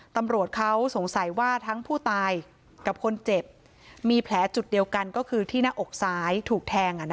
ตำรวจเขาสงสัยว่าทั้งผู้ตายกับคนเจ็บมีแผลจุดเดียวกันก็คือที่หน้าอกซ้ายถูกแทง